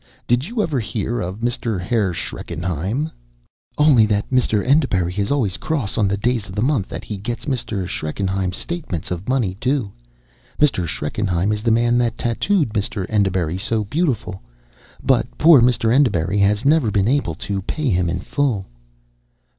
Did you ever hear of Mr. Herr Schreckenheim?" "Only that Mr. Enderbury is always cross on the days of the month that he gets Mr. Schreckenheim's statements of money due. Mr. Schreckenheim is the man that tattooed Mr. Enderbury so beautiful, but poor Mr. Enderbury has never been able to pay him in full."